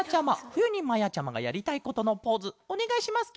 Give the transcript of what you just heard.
ふゆにまやちゃまがやりたいことのポーズおねがいします